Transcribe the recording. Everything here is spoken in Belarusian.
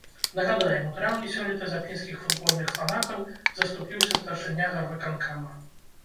Нагадаем, у траўні сёлета за пінскіх футбольных фанатаў заступіўся старшыня гарвыканкама.